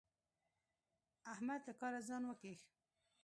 احمد له کاره ځان وکيښ.